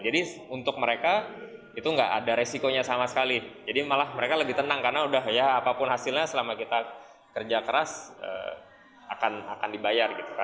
jadi untuk mereka itu gak ada resikonya sama sekali jadi malah mereka lebih tenang karena udah ya apapun hasilnya selama kita kerja keras akan dibayar